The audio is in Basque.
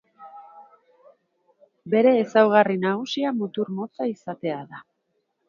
Bere ezaugarri nagusia mutur motza izatea da.